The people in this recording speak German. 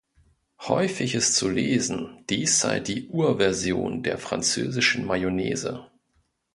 Häufig ist zu lesen, dies sei die Urversion der französischen Mayonnaise.